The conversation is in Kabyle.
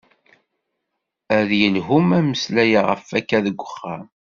Ad yelhu ma meslayeɣ ɣef akka deg uxxam?